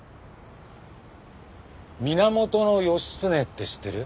源義経って知ってる？